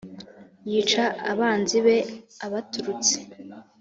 Yica abanzi be abaturutse